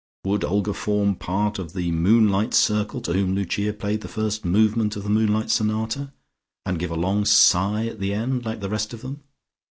Would Olga form part of the moonlit circle to whom Lucia played the first movement of the Moonlight Sonata, and give a long sigh at the end like the rest of them?